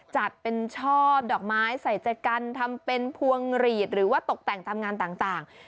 จัดเป็นช่อดอกไม้ใส่ใจกันทำเป็นพวงหลีดหรือว่าตกแต่งทำงานต่าง